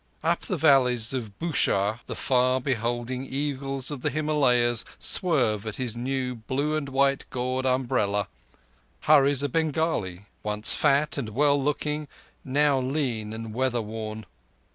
Up the valleys of Bushahr—the far beholding eagles of the Himalayas swerve at his new blue and white gored umbrella—hurries a Bengali, once fat and well looking, now lean and weather worn.